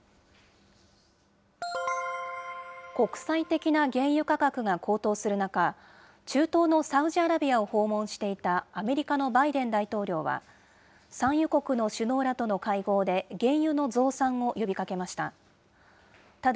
国際的な原油価格が高騰する中、中東のサウジアラビアを訪問していたアメリカのバイデン大統領は、産油国の首脳らとの会合で、原油の増産を呼びかけました。